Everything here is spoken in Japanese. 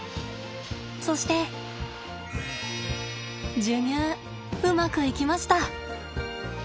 そして授乳うまくいきました。